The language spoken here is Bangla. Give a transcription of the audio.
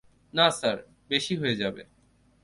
না, স্যার, বেশি হয়ে যাবে।